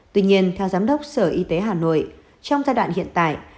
tuy nhiên theo giám đốc sở y tế hà nội trong giai đoạn hiện tại